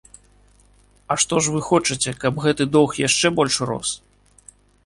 А што ж вы хочаце, каб гэты доўг яшчэ больш рос?